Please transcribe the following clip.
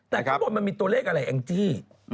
แต่ข้างบนมันมีตัวเลขอะไรแองจี้